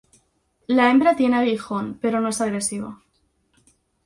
La hembra tiene aguijón pero no es agresiva.